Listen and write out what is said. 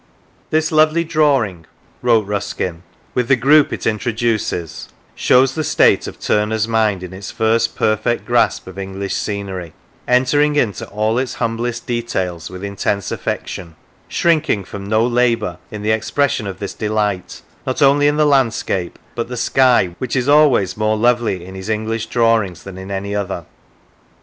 " This lovely drawing," wrote Ruskin, " with the group it introduces, shows the state of Turner's mind in its first perfect grasp of English scenery, entering into all its humblest details with intense affection ; shrinking from no labour in the expression of this delight, not only in the landscape, but the sky, which is always more lovely in his English drawings than in any other.